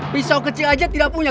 pisau kecil aja tidak punya